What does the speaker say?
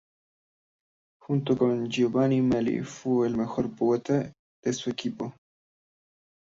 Junto con Giovanni Meli, fue el mejor poeta de su tiempo.